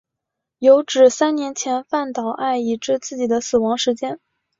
有指三年前饭岛爱已知自己的死亡时间。